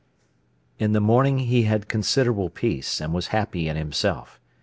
In the morning he had considerable peace, and was happy in himself.